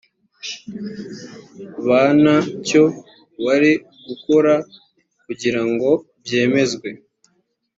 ba nta cyo wari gukora kugira ngo byemezwe